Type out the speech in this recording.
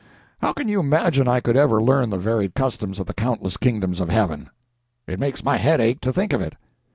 How can you imagine I could ever learn the varied customs of the countless kingdoms of heaven? It makes my head ache to think of it.